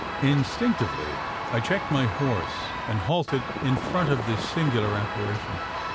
Instinctively I checked my horse, and halted in front of this singular apparition.